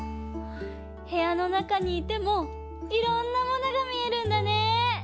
へやのなかにいてもいろんなものがみえるんだね！